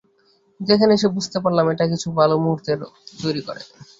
কিন্তু এখানে এসে, বুঝতে পারলাম এটা কিছু ভালো মূহুর্তেরও তৈরি করে।